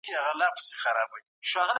سياستوالو خپل سياسي قدرت نه کاراوه.